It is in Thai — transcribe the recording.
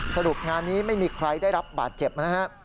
สรุปงานนี้ไม่มีใครได้รับบาดเจ็บนะฮะ